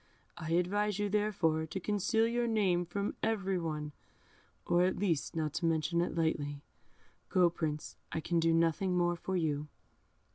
I advise you, therefore, to conceal your name from every one, or at least not to mention it lightly. Go, Prince, I can do nothing more for you."